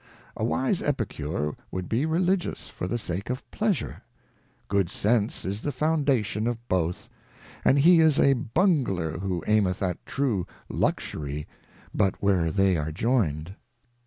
A wise Epicure would be Religious for the sake of Pleasure; Good Sense is the Foundation of both; and he is a Bungler who aimeth at true Luxury, but where they are join'd.